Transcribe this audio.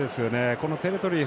このテリトリー